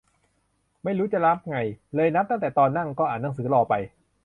ไม่รู้จะนับไง เลยนับตั้งแต่ตอนนั่ง ก็อ่านหนังสือรอไป